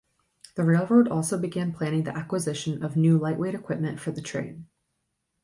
The railroad also began planning the acquisition of new lightweight equipment for the train.